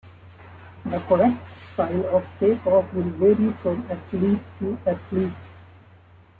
The "correct" style of takeoff will vary from athlete to athlete.